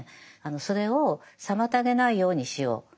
それを妨げないようにしよう。